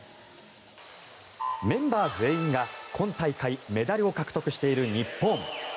メンバー全員が今大会メダルを獲得している日本。